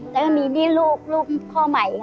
แล้วมีนี่ลูกลูกพ่อใหม่อะ